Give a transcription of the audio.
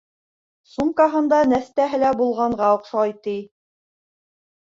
Сумкаһында нәҫтәһе лә булғанға оҡшай, ти...